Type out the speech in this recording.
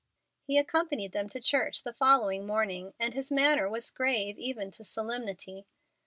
He accompanied them to church the following morning, and his manner was grave even to solemnity.